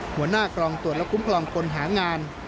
หัวหน้ากรองตรวจและคุ้มครองคนหางาน